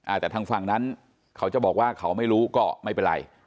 ทางฝั่งนั้นเขาจะบอกว่าเขาไม่รู้ก็ไม่เป็นไร